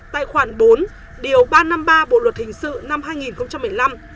tại khoản bốn điều ba trăm năm mươi ba bộ luật hình sự năm hai nghìn một mươi năm